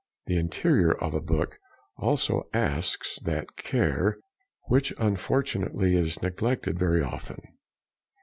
The interior of a book also asks that care, which unfortunately is neglected very often.